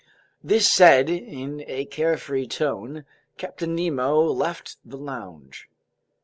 This said in a carefree tone, Captain Nemo left the lounge.